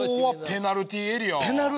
ペナルティーエリア？